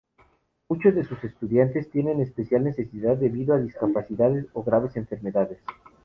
Muchos de sus estudiantes tienen especial necesidad debido a discapacidades o graves enfermedades.